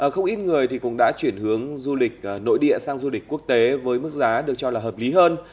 không ít người cũng đã chuyển hướng du lịch nội địa sang du lịch quốc tế với mức giá được cho là hợp lý hơn